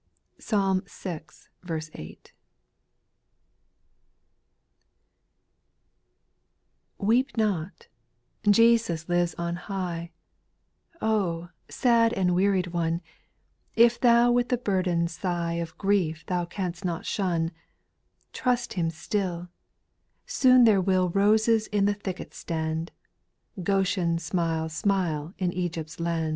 1. TITEEP not, — Jesus lives on high, T f Oh I sad and wearied one I If thou with the burden sigh Of grief thou cans't not shun, Trust Him still ;— Soon there will Roses in the thicket stand, Qoshen smile smile in Egy^t'a land.